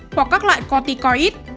hoặc các loại corticoid